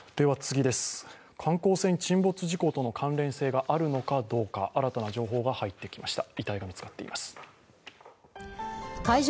観光船沈没事故との関連性があるのかどうか、新たな情報が入ってきました。